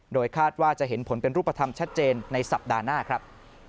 โดยคาดว่าจะเห็นผลเป็นรูปธรรมชัดเจนในสัปดาห์หน้าครับ